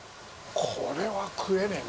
これは食えねえな。